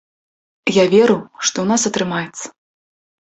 Я веру, што ў нас атрымаецца.